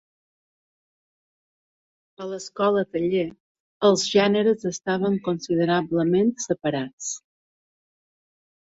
A l'escola taller, els gèneres estaven considerablement separats.